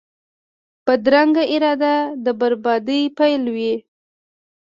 بدرنګه اراده د بربادۍ پیل وي